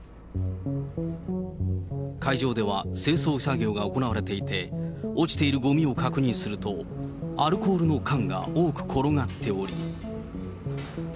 会場では清掃作業が行われていて、落ちているごみを確認すると、アルコールの缶が多く転がっており。